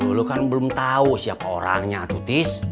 dulu kan belum tahu siapa orangnya atutis